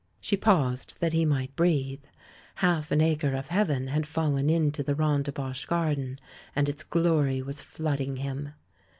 " She paused, that he might breathe. Half an acre of Heaven had fallen into the Rondebosch garden and its glory was flooding him.